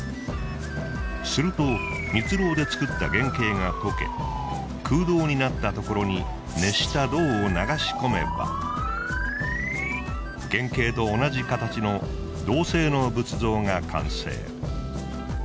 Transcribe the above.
するとミツロウで作った原型が溶け空洞になったところに熱した銅を流し込めば原型と同じ形の銅製の仏像が完成。